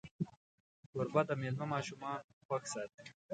کوربه د میلمه ماشومان خوښ ساتي.